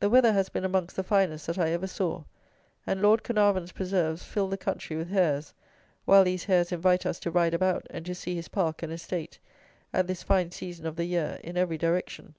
The weather has been amongst the finest that I ever saw, and Lord Caernarvon's preserves fill the country with hares, while these hares invite us to ride about and to see his park and estate, at this fine season of the year, in every direction.